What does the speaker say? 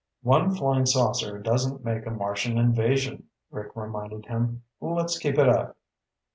"One flying saucer doesn't make a Martian invasion," Rick reminded him. "Let's keep it up."